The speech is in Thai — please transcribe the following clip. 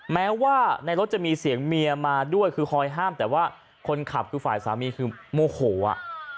แม้ว่าในรถจะมีเสียงเมียมาด้วยคือคอยห้ามแต่ว่าคนขับคือฝ่ายสามีคือโมโหอ่ะ